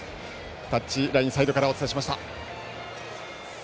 タッチラインサイドからお伝えしました。